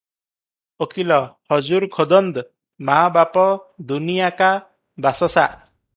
ଓକିଲ - "ହଜୁର ଖୋଦନ୍ଦ୍ - ମା ବାପ ଦୁନିଆକା ବାସସା ।